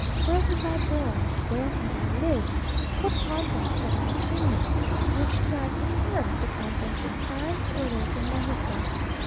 Where was I born? Where had I lived? What convents had I seen? Which did I prefer, the convents in France, or those in Mexico?